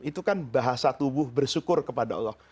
itu kan bahasa tubuh bersyukur kepada allah